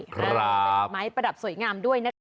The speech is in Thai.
ครับมีไม้ประดับสวยงามด้วยนะครับ